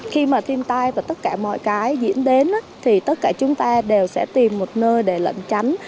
khi mà thiên tai và tất cả mọi cái diễn đến thì tất cả chúng ta đều sẽ tìm một nơi để lận tránh